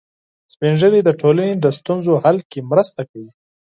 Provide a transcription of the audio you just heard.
سپین ږیری د ټولنې د ستونزو حل کې مرسته کوي